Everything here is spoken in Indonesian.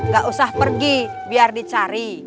gak usah pergi biar dicari